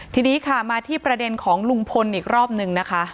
ทีนี้ค่ะมาที่ประเด็นของลุงพลอีกรอบนึงนะคะ